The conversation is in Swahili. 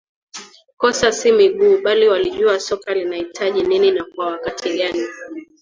kosa si miguu bali walijua soka linaitaji nini na kwa wakati gani